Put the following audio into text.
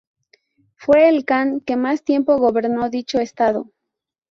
Fue el kan que más tiempo gobernó dicho estado.